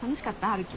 春樹。